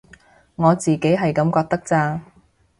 我自己係噉覺得咋